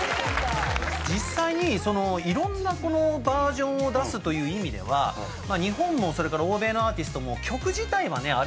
実際にいろんなバージョンを出すという意味では日本もそれから欧米のアーティストも曲自体はね